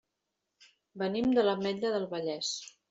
Venim de l'Ametlla del Vallès.